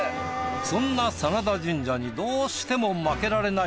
そんな真田神社にどうしても負けられない